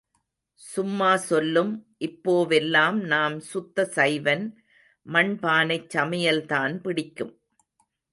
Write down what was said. சும்மா சொல்லும் இப்போவெல்லாம் நாம் சுத்த சைவன், மண்பானைச் சமையல் தான் பிடிக்கும்.